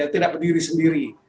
tidak ke diri sendiri